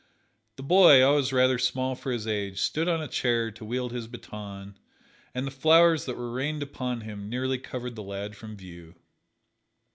The boy, always rather small for his age, stood on a chair to wield his baton, and the flowers that were rained upon him nearly covered the lad from view.